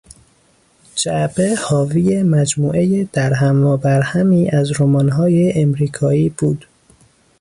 جعبه حاوی مجموعهی درهم و برهمی از رمانهای امریکایی بود.